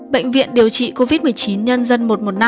bệnh viện điều trị covid một mươi chín nhân dân một trăm một mươi năm